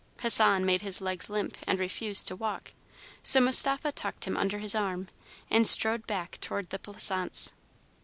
Hassan made his legs limp, and refused to walk; so Mustapha tucked him under his arm, and strode back toward the Plaisance.